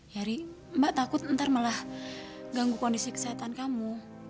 heri mbak takut ntar malah ganggu kondisi kesehatan kamu